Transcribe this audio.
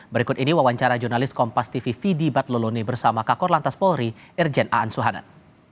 berikut ini wawancara jurnalis kompas tv fidi batlolone bersama kakor lantas polri irjen aan suhanan